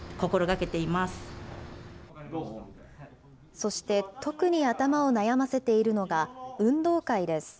そして特に頭を悩ませているのが、運動会です。